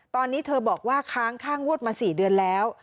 ตอนนี้เธอบอกว่าค้างค่างวดมา๔เดือนแล้ว